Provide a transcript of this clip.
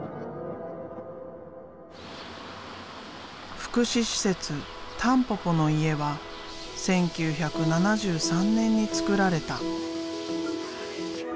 福祉施設「たんぽぽの家」は１９７３年につくられた。